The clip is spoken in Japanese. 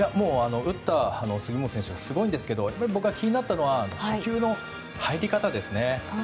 打った杉本選手がすごいんですけど僕が気になったのは初球の入り方ですね。